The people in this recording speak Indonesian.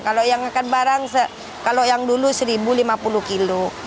kalau yang akan barang kalau yang dulu seribu lima puluh kilo